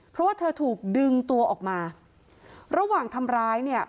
เพราะว่าเธอถูกดึงตัวออกมาระหว่างทำร้ายเนี่ย